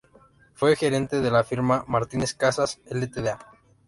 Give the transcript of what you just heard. Fue gerente de la firma "Martínez Casas Ltda.